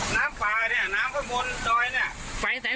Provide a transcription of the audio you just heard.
น้ำป่าเนี่ยน้ำข้างบนดอยเนี่ย